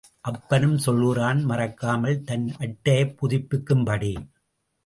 அப்பனும் சொல்கிறான் மறக்காமல் தன் அட்டையைப் புதுப்பிக்கும் படி.